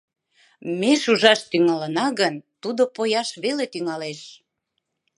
Ме шужаш тӱҥалына гын, тудо пояш веле тӱҥалеш...